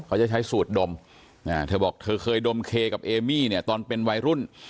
เขาจะใช้สูตรดมเธอบอกเธอเคยดมเคกับเอมี่เนี่ยตอนเป็นวัยรุ่น